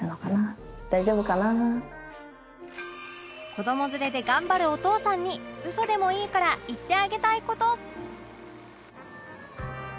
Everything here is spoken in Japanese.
子ども連れで頑張るお父さんに嘘でもいいから言ってあげたい事